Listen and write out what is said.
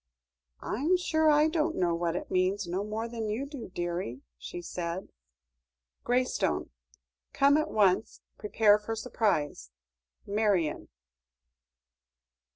"I'm sure I don't know what it means no more than you do, dearie," she said. "Graystone. "Come at once; prepare for surprise. "MARION."